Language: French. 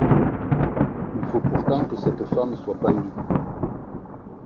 Il faut pourtant que cette femme soit pendue.